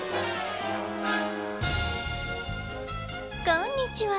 こんにちは。